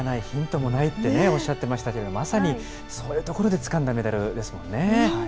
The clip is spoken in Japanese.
ヒントもないっておっしゃってましたけど、まさに、そういうところでつかんだメダルですもんね。